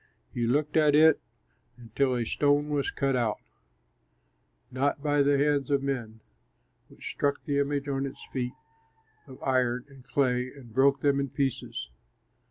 You looked at it until a stone was cut out, not by the hands of men, which struck the image on its feet of iron and clay and broke them in pieces.